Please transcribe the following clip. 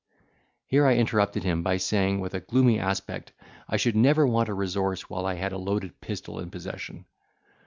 Here I interrupted him, by saying, with a gloomy aspect, I should never want a resource while I had a loaded pistol in possession.